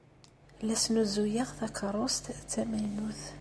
La snuzuyeɣ takeṛṛust d tamaynut.